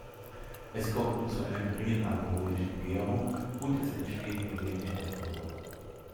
Es kommt nur zu einer geringen alkoholischen Gärung und es entsteht nur wenig Alkohol.